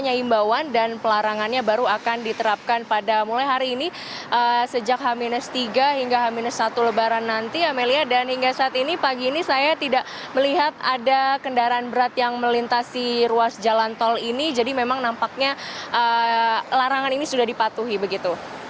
ada kendaraan berat yang melintasi ruas jalan tol ini jadi memang nampaknya larangan ini sudah dipatuhi begitu